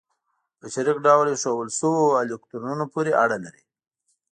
په شریک ډول ایښودل شوو الکترونونو پورې اړه لري.